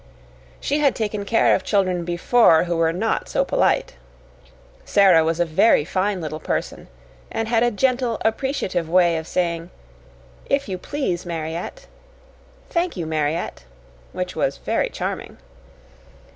She had taken care of children before who were not so polite. Sara was a very fine little person, and had a gentle, appreciative way of saying, "If you please, Mariette," "Thank you, Mariette," which was very charming.